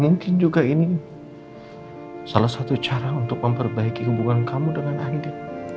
mungkin juga ini salah satu cara untuk memperbaiki hubungan kamu dengan andi